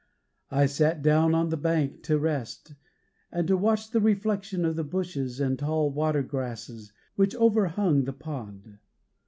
I sat down on the bank to rest, and to watch the reflection of the bushes and tall water grasses which overhung the pond.